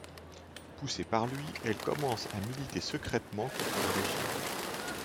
Poussée par lui, elle commence à militer secrètement contre le régime.